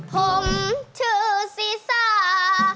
ผมชื่อศีซา